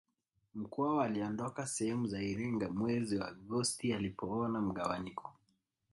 Mkwawa aliondoka sehemu za Iringa mwezi wa Agosti alipoona mgawanyiko